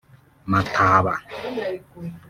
Mataba